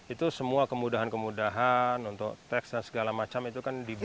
itu semua kemudahan kemudahan untuk teks dan segala macam itu kan dibuat